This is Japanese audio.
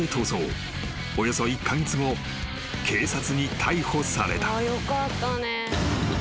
［およそ１カ月後警察に逮捕された］